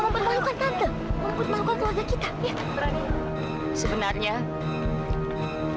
benar benar benar